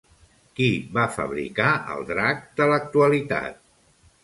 Qui va fabricar el drac de l'actualitat?